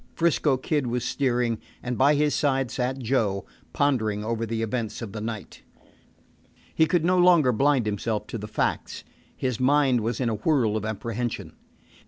'Frisco Kid was steering, and by his side sat Joe, pondering over the events of the night. He could no longer blind himself to the facts. His mind was in a whirl of apprehension.